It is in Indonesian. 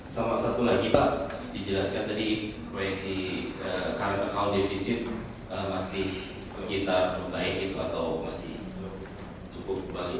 salah satu lagi pak dijelaskan tadi proyeksi current account deficit masih kita naik gitu atau masih cukup baik